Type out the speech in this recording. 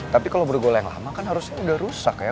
tapi kalau bergoyang lama kan harusnya udah rusak ya